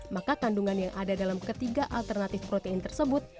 maka kandungan yang ada dalam ketiga alternatif protein tersebut